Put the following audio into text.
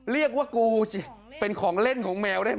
เรียกว่ากูสิเป็นของเล่นของแมวได้ไหม